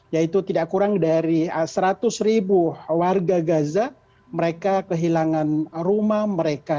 yaitu tidak kurang dari seratus ribu warga gaza mereka kehilangan rumah mereka